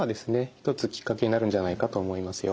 １つきっかけになるんじゃないかと思いますよ。